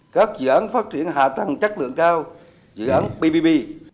các dự án phát triển hạ tầng chất lượng cao dự án bbb